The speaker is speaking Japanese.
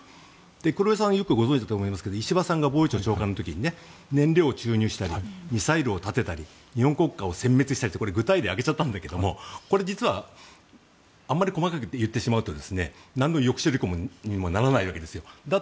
黒江さんがよくご存じだと思いますが石破さんが防衛省長官の時に燃料を注入したりミサイルを立てたり日本国家を成立したりとこれ、具体例を挙げちゃったんだけど実はあまり細かくいってしまうとなんの抑止力にもならないわけですよ。